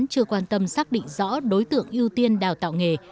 đề án chưa quan tâm xác định rõ đối tượng ưu tiên đào tạo nghề